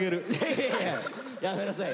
いやいややめなさい。